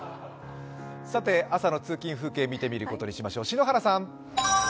朝の通勤風景見てみることにしましょう。